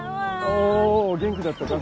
おう元気だったか？